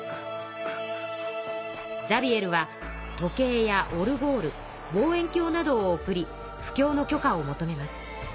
ザビエルは時計やオルゴール望遠鏡などをおくり布教の許可を求めます。